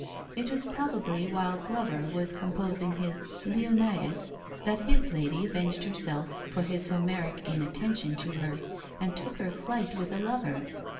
It was probably while Glover was composing his "Leonidas," that his lady avenged herself for this Homeric inattention to her, and took her flight with a lover.